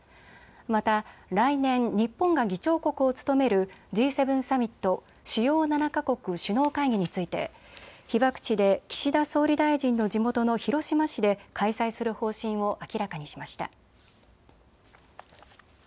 また来年、日本が議長国を務めるＧ７サミット・主要７か国首脳会議について被爆地で岸田総理大臣の地元の広島市で開催する方針を明らかにしました。